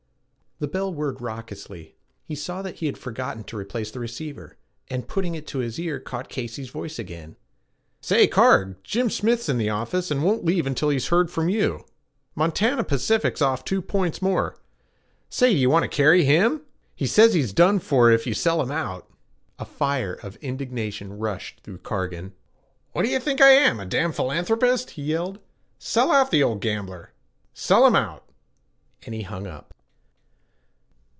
The bell whirred raucously. He saw that he had forgotten to replace the receiver, and putting it to his ear caught Casey's voice again: 'Say, Carg, Jim Smith's in the office, and won't leave till he's heard from you. Montana Pacific's off two points more. Say, do you want to carry him? He says he's done for if you sell him out.' A fire of indignation rushed through Cargan. 'What d' you think I am a damned philanthropist?' he yelled. 'Sell out the old gambler! Sell him out!' And he hung up.